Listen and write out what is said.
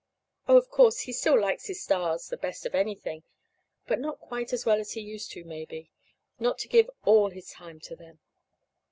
Oh, of course, he still likes his stars the best of anything, but not quite as well as he used to, maybe not to give all his time to them.